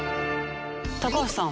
高橋さん